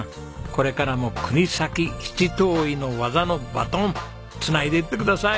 これからもくにさき七島藺の技のバトンつないでいってください。